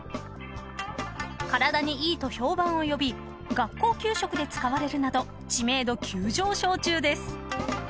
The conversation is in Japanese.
［体にいいと評判を呼び学校給食で使われるなど知名度急上昇中です］